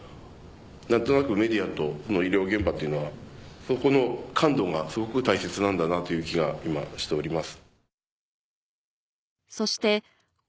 何となくメディアと医療現場というのはそこの感度がすごく大切なんだなという気が今しております。